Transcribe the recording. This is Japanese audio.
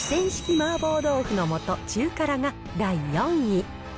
麻婆豆腐の素中辛が第４位。